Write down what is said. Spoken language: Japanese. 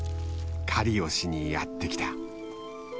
狩りをしにやって来た。